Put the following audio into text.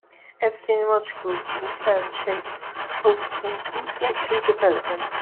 Epistemological concerns shaped Augustine's intellectual development.